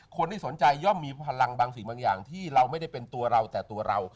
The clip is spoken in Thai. คนที่สนใจย่อมมีพลังบางสิ่งบางอย่างที่เราไม่ได้เป็นตัวเราแต่ตัวเรา